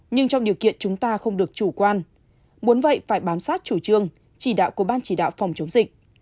nhưng trong điều kiện chúng ta không được chủ quan muốn vậy phải bám sát chủ trương chỉ đạo của ban chỉ đạo phòng chống dịch